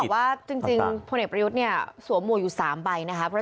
คือต้องบอกว่าจริงพลเนตประยุทธเนี่ยสวมวะอยู่๓ใบนะครับ